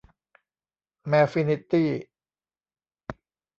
แมวฟินิตี้